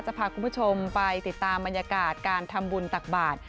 พาคุณผู้ชมไปติดตามบรรยากาศการทำบุญตักบาท